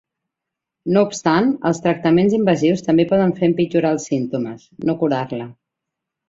No obstant, els tractaments invasius també poden fer empitjorar els símptomes, no curar-la.